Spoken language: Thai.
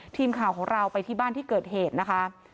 ทีมข่าวของเราไปที่บ้านที่เกิดเหตุนะคะ